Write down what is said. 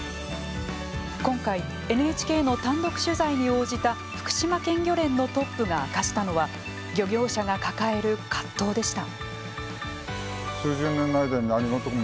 今回、ＮＨＫの単独取材に応じた福島県漁連のトップが明かしたのは漁業者が抱える葛藤でした。